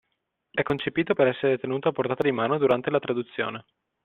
È concepito per essere tenuto a portata di mano durante la traduzione.